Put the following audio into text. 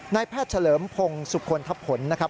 นายแพทย์เฉลิมพงศ์สุคลทะผลนะครับ